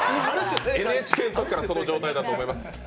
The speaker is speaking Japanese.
ＮＨＫのときからその状態だと思います。